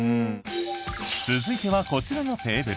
続いてはこちらのテーブル。